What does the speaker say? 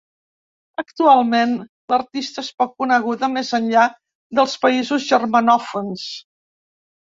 Actualment, l'artista és poc coneguda més enllà dels països germanòfons.